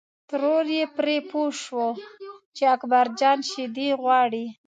ترور یې پرې پوه شوه چې اکبر جان شیدې غواړي.